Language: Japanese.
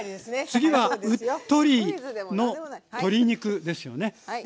次は「うっトリ」の鶏肉ですよね？